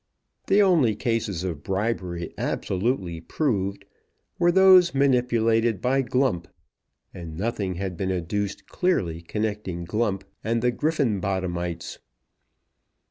The only cases of bribery absolutely proved were those manipulated by Glump, and nothing had been adduced clearly connecting Glump and the Griffenbottomites.